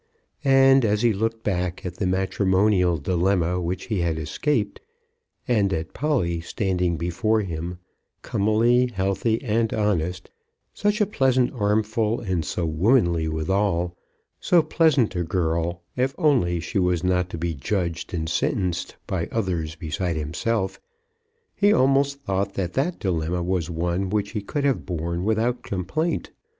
And as he looked back at the matrimonial dilemma which he had escaped, and at Polly standing before him, comely, healthy, and honest, such a pleasant armful, and so womanly withal, so pleasant a girl if only she was not to be judged and sentenced by others beside himself, he almost thought that that dilemma was one which he could have borne without complaint.